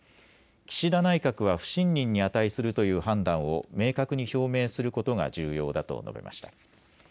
岸田内閣は不信任に値するという判断を明確に表明することが重要だと述べました。